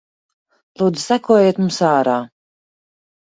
Lūdzu sekojiet mums ārā.